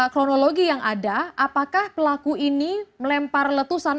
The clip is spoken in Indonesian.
dari ideologi yang ada apakah pelaku ini melempar letusan